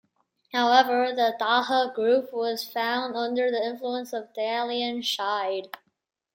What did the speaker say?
However, the Dahe Group was found under the influence of Dalian Shide.